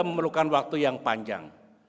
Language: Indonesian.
memerlukan waktu yang panjang